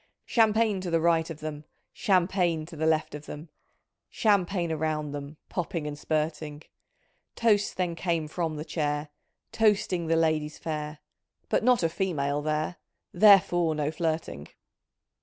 "Champagne to the right of them. Champagne to the left of them. Champagne around them. Popping and spurting. Toasts then came from the chair. Toasting the ladies fair, But not a female there. Therefore no flirting.